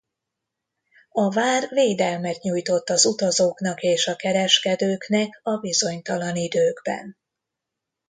A vár védelmet nyújtott az utazóknak és a kereskedőknek a bizonytalan időkben.